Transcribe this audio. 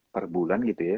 per bulan gitu ya